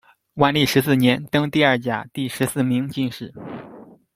万历十四年，登第二甲第十四名进士。